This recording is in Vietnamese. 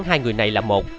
hai người này là một